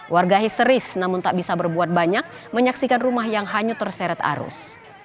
warga histeris namun tak bisa berbuat banyak menyaksikan rumah yang hanyut terseret arus